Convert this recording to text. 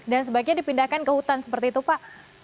dan sebaiknya dipindahkan ke hutan seperti itu pak